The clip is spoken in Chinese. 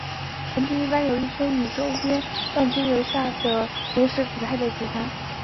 盆地一般有一圈与周边地表上撞击时所抛出岩石相隔开的主环。